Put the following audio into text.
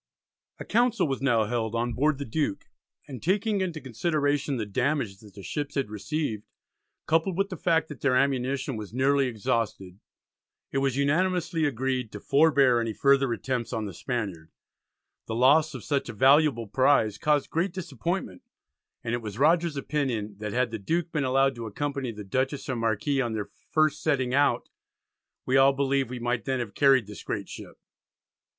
A Council was now held on board the Duke, and taking into consideration the damage that the ships had received, coupled with the fact that their ammunition was nearly exhausted, it was unanimously agreed "to forbear any further attempts" on the Spaniard. The loss of such a valuable prize caused great disappointment, and it was Rogers's opinion, that had the Duke been allowed to accompany the Dutchess and Marquis on their first setting out "we all believe we might then have carried this great ship."